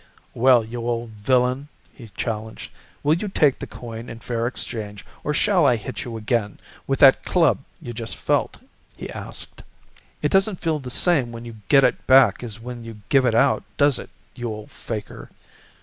"Well, you old villain," he challenged, "will you take the coin in fair exchange, or shall I hit you again with that club you just felt?" he asked. "It doesn't feel the same when you get it back as when you give it out, does it, you old faker?